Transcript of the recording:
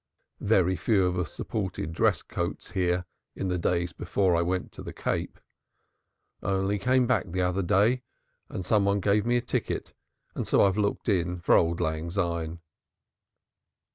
Very few of us sported dress coats here in the days before I went to the Cape. I only came back the other day and somebody gave me a ticket and so I've looked in for auld lang syne."